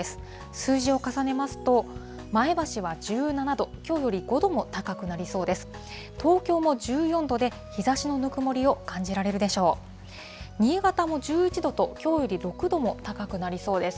数字を重ねますと、前橋は１７度、きょうより５度も高くなりそうです。